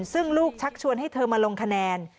ซึ่งลูกชักชวนให้เธอมาลงคะแนน